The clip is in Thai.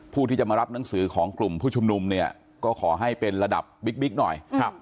ผู้ที่จะมารับหนังสือของกลุ่มผู้ชุมนุมเนี่ยก็ขอให้เป็นระดับบิ๊กหน่อย